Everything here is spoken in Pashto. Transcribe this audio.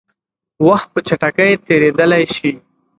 وخت په چټکۍ تېرېدلی شي.